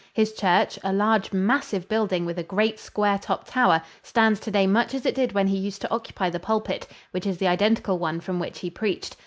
His church, a large, massive building with a great, square topped tower, stands today much as it did when he used to occupy the pulpit, which is the identical one from which he preached.